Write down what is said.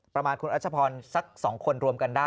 ประมาณคุณรัชพรสัก๒คนรวมกันได้